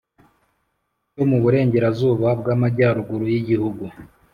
cyo mu burengerazuba bw'amajyaruguru y'igihugu.